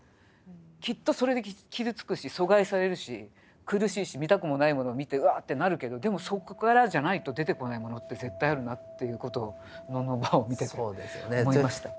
きっとそれで傷つくし阻害されるし苦しいし見たくもないものを見て「うわぁ」ってなるけどでもそこからじゃないと出てこないものって絶対あるなっていうことを「のんのんばあ」を見てて思いました。